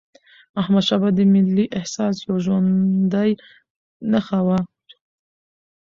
احمدشاه بابا د ملي احساس یوه ژوندي نښه وه.